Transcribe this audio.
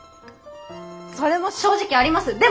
それも正直あります。